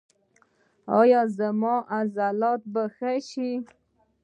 ایا زما عضلات به ښه شي؟